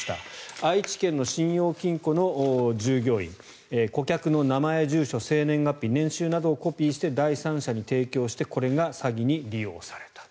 愛知県の信用金庫の従業員顧客の名前、住所生年月日、年収などをコピーして第三者に提供してこれが詐欺に利用された。